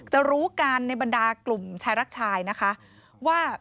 รู้กันในบรรดากลุ่มชายรักชายนะคะว่า